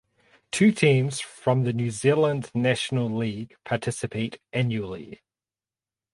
Two teams from the New Zealand National League participate annually.